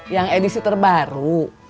yang edisi terbaru